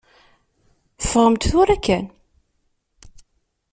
Ffɣemt tura kan.